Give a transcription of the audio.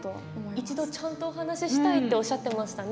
一度ちゃんとお話ししたいとおっしゃっていましたね。